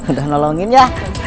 udah nolongin ya